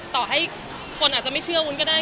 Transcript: ต่อให้คนอาจจะไม่เชื่อวุ้นก็ได้